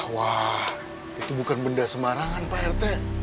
wah itu bukan benda semarangan pak rt